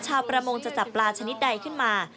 ชาวประมงจะจับปลาชนิดใดขึ้นมา